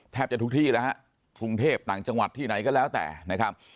แทบจะทุกที่แล้วฮะกรุงเทพต่างจังหวัดที่ไหนก็แล้วแต่นะครับ